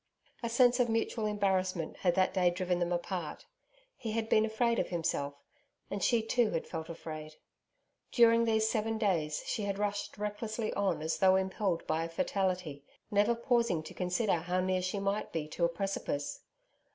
A sense of mutual embarrassment had that day driven them apart. He had been afraid of himself, and she too had felt afraid. During these seven days she had rushed recklessly on as though impelled by a fatality, never pausing to consider how near she might be to a precipice.